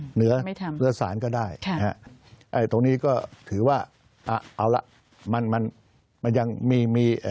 เหนือศาลก็ได้ตรงนี้ก็ถือว่าเอาล่ะมันยังมี